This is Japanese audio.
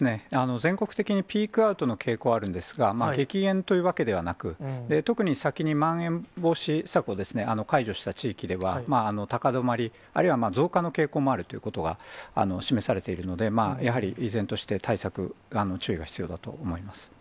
全国的にピークアウトの傾向はあるんですが、激減というわけではなく、特に、先にまん延防止策を解除した地域では、高止まり、あるいは増加の傾向もあるということが示されているので、やはり依然として対策、注意が必要だと思います。